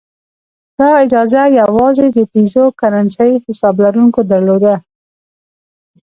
دا اجازه یوازې د پیزو کرنسۍ حساب لرونکو درلوده.